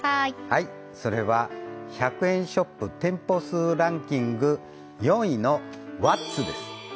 はいそれは１００円ショップ店舗数ランキング４位のワッツです